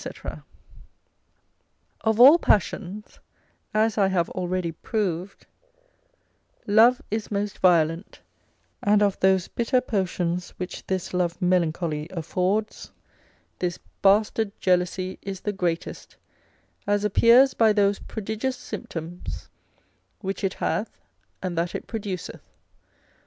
_ Of all passions, as I have already proved, love is most violent, and of those bitter potions which this love melancholy affords, this bastard jealousy is the greatest, as appears by those prodigious symptoms which it hath, and that it produceth.